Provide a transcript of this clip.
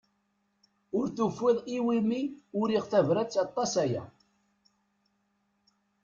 Ur tufiḍ iwimi uriɣ tabrat aṭas aya.